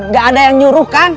gak ada yang nyuruhkan